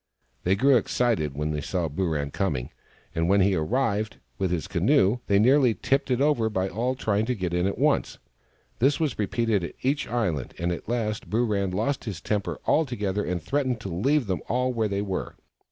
They grew excited when they saw Booran coming, and when he arrived, with his canoe, they nearly tipped it over by all trying to get in at once. This was repeated at each island, and at last Booran lost his temper altogether and threatened to leave them all where they were.